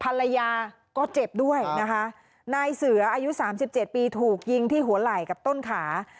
ภรรยาก็เจ็บด้วยนะคะนายเสืออายุสามสิบเจ็ดปีถูกยิงที่หัวไหล่กับต้นขา